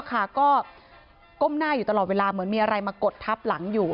ก็ก้มหน้าอยู่ตลอดเวลาเหมือนมีอะไรมากดทับหลังอยู่